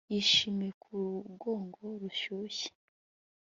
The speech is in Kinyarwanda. yishimiye ku rugongo rushyushye